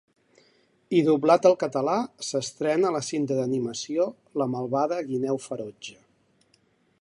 I doblat al català s’estrena la cinta d’animació La malvada guineu ferotge.